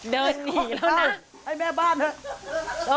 เดินหนีแล้วนะ